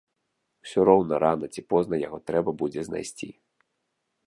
Усе роўна рана ці позна яго трэба будзе знайсці.